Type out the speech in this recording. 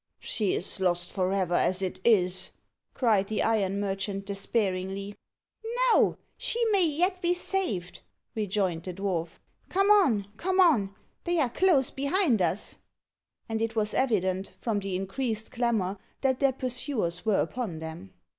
"She is lost for ever as it is," cried the iron merchant despairingly. "No she may yet be saved," rejoined the dwarf. "Come on come on they are close behind us." And it was evident, from the increased clamour, that their pursuers were upon them.